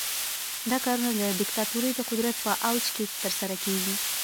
دا کارونه د دیکتاتورۍ د قدرت په اوج کې ترسره کیږي.